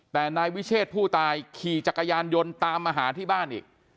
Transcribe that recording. แต่นายวิเชษผู้ตายขี่จักรยานยนต์ตามมาหาที่บ้านอีก